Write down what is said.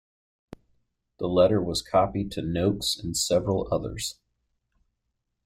The letter was copied to Noakes and several others.